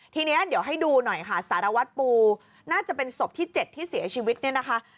ทีนี้เดี๋ยวให้ดูหน่อยค่ะสารวัตรปูน่าจะเป็นศพที่๗ที่เสียชีวิตเนี่ยนะคะ